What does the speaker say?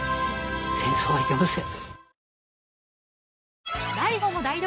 戦争はいけません。